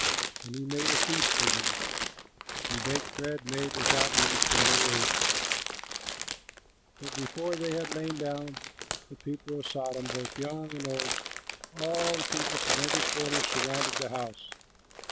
And he made a feast for them and baked bread made without yeast, and they ate. But before they had lain down, the people of Sodom, both young and old, all the people from every quarter, surrounded the house.